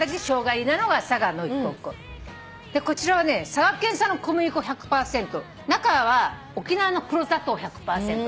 佐賀県産の小麦粉１００％中は沖縄の黒砂糖１００％。